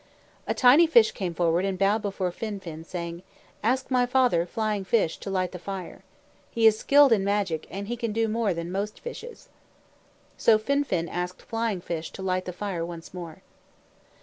A tiny fish came forward and bowed before Fin fin, saying, "Ask my father, Flying fish, to light the fire. He is skilled in magic, and he can do more than most fishes." So Fin fin asked Flying fish to light the fire once more.